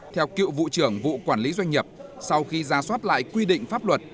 theo cựu vụ trưởng vụ quản lý doanh nghiệp sau khi ra soát lại quy định pháp luật